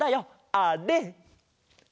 あれ！